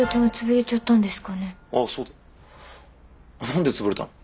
何で潰れたの？